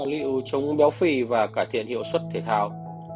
liệu chống béo phì và cải thiện hiệu suất thể thao